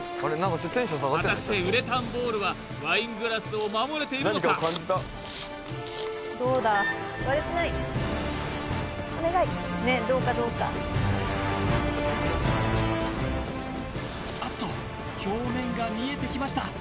果たしてウレタンボールはワイングラスを守れているのかあっと表面が見えてきました